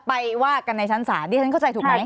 ไปว่ากันในชั้นศาลดิฉันเข้าใจถูกไหม